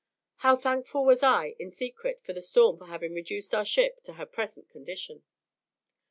How thankful was I, in secret, to the storm for having reduced our ship to her present condition.